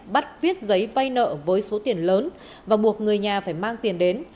bắt viết giấy vây nợ với số tiền lớn và một người nhà phải mang tiền đến